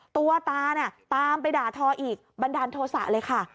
ตัวตาน่ะตามไปด่าทออีกบันดาลโทษะเลยค่ะ